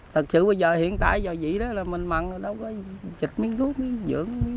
thật sự bây giờ hiện tại do vậy đó là mình mặn đâu có xịt miếng thuốc miếng dưỡng